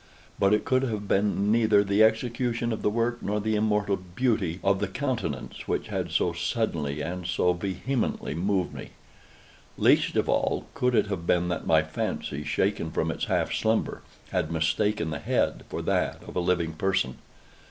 But it could have been neither the execution of the work, nor the immortal beauty of the countenance, which had so suddenly and so vehemently moved me. Least of all, could it have been that my fancy, shaken from its half slumber, had mistaken the head for that of a living person.